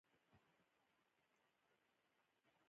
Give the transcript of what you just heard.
خدمې موږ ټولو ته وکتل.